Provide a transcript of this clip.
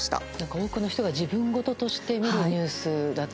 多くの人が自分ごととして見るニュースだった。